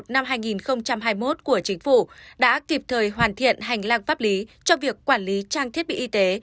năm hai nghìn hai mươi một của chính phủ đã kịp thời hoàn thiện hành lang pháp lý cho việc quản lý trang thiết bị y tế